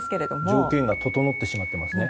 条件が整ってしまっていますね。